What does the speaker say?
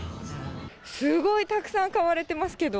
すごいたくさん買われてますけど。